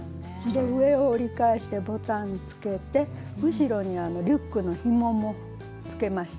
上を折り返してボタンつけて後ろにリュックのひももつけました。